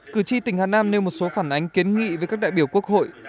cử tri tỉnh hà nam nêu một số phản ánh kiến nghị với các đại biểu quốc hội